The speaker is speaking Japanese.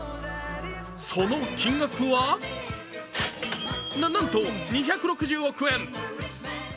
その金額は、な、なんと２６０億円。